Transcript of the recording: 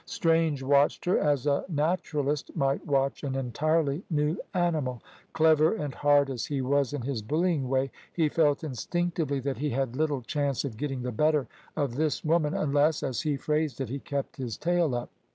Strange watched her, as a naturalist might watch an entirely new animal. Clever and hard as he was in his bullying way, he felt instinctively that he had little chance of getting the better of this woman, unless as he phrased it he kept his tail up.